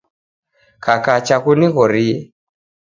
Kakacha kunighorie